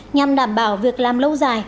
nhằm đảm bảo việc làm lâu dài